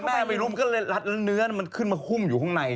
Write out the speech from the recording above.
แล้วแม่ไม่รู้ก็ลัดแล้วเนื้อมันขึ้นมาหุ้มอยู่ข้างใน